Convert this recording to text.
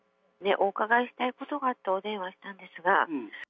お伺いしたいことがあってお電話したんですが。